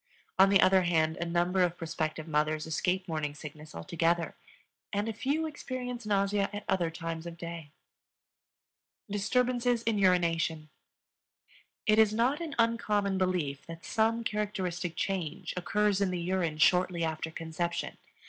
On the other hand, a number of prospective mothers escape morning sickness altogether, and a few experience nausea at other times of day. Disturbances in Urination. It is not an uncommon belief that some characteristic change occurs in the urine shortly after conception.